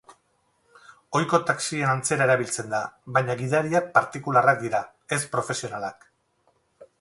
Ohiko taxien antzera erabiltzen da, baina gidariak partikularrak dira, ez profesionalak.